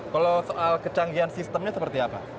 kalau soal kecanggihan sistemnya seperti apa